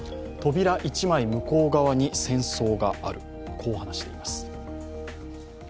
扉一枚、向こう側に戦争があるこう話しています。